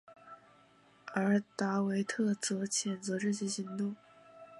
而达维特则谴责这些行动。